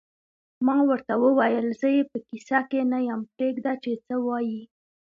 ما ورته وویل: زه یې په کیسه کې نه یم، پرېږده چې څه وایې.